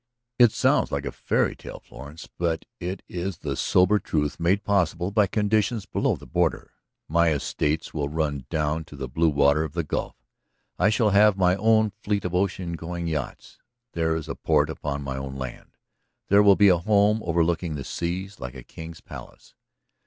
It sounds like a fairy tale, Florence, but it is the sober truth made possible by conditions below the border. My estates will run down to the blue water of the Gulf; I shall have my own fleet of ocean going yachts; there is a port upon my own land. There will be a home overlooking the sea like a king's palace.